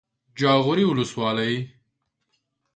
جاغوري ولسوالۍ